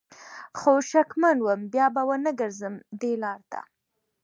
خو شکمن وم بیا به ونه ګرځم دې لار ته